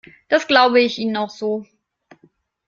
Das glaube ich Ihnen auch so.